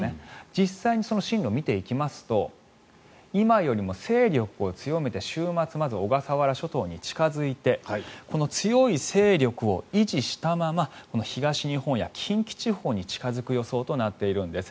実際にその進路を見ていきますと今よりも勢力を強めて週末、まず小笠原諸島に近付いてこの強い勢力を維持したまま東日本や近畿地方に近付く予想となっているんです。